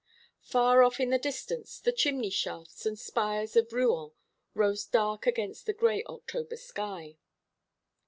Far off in the distance the chimney shafts and spires of Rouen rose dark against the gray October sky.